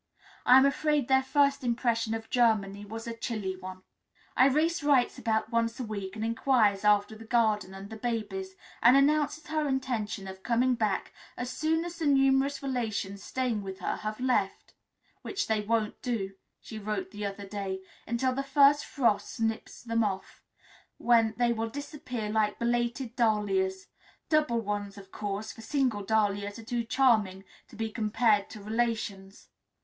I am afraid their first impression of Germany was a chilly one. Irais writes about once a week, and inquires after the garden and the babies, and announces her intention of coming back as soon as the numerous relations staying with her have left, "which they won't do," she wrote the other day, "until the first frosts nip them off, when they will disappear like belated dahlias double ones of course, for single dahlias are too charming to be compared to relations.